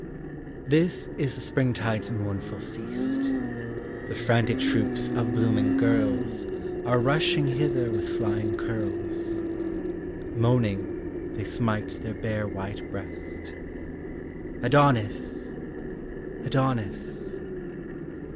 This is the spring tide's mournful feast, The frantic troops of blooming girls Are rushing hither with flying curls, Moaning they smite their bare white breast, Adonis! Adonis!